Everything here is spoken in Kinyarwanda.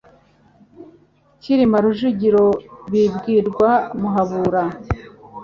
Cyilima Rujugira bibwirwa Muhabura,